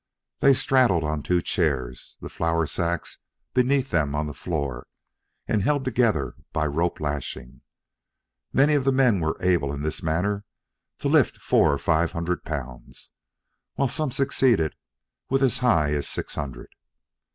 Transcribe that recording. They straddled on two chairs, the flour sacks beneath them on the floor and held together by rope lashings. Many of the men were able, in this manner, to lift four or five hundred pounds, while some succeeded with as high as six hundred.